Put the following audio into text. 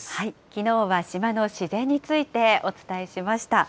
きのうは島の自然についてお伝えしました。